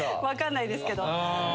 分かんないですけど。